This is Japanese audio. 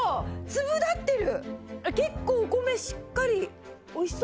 粒が立ってる！